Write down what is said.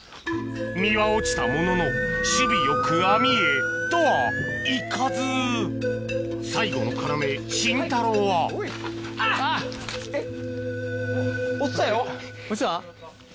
実は落ちたものの首尾良く網へとはいかず最後の要シンタローはあっ！